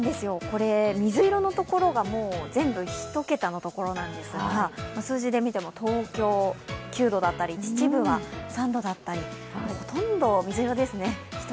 水色のところが全部１桁の所なんですが、数字で見ても東京９度だったり秩父は３度だったりほとんど水色ですね。